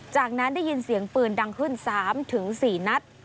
จากนั้นได้ยินเสียงปืนดังขึ้น๓๔นัด